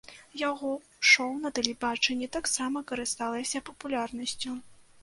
Яго шоў на тэлебачанні таксама карысталася папулярнасцю.